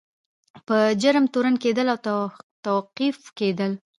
په جرم تورن کیدل او توقیف کیدل.